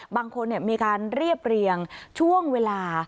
บางคนมีการเรียบเรียงช่วงเวลา